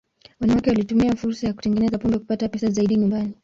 Wanawake walitumia fursa ya kutengeneza pombe kupata pesa zaidi nyumbani.